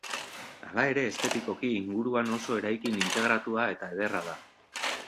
Hala ere estetikoki inguruan oso eraikin integratua eta ederra da.